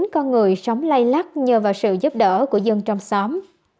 một mươi chín con người sống lay lắc nhờ vào sự giúp đỡ của dân trong xóm